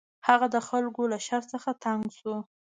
هغه د خلکو له شر څخه تنګ شو.